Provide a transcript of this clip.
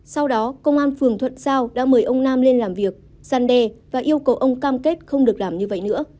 sau đó công an phường thuận giao đã mời ông nam lên làm việc gian đe và yêu cầu ông cam kết không được làm như vậy nữa